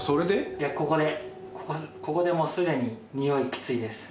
いやここでここでもうすでににおいきついです。